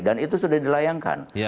dan itu sudah dilayangkan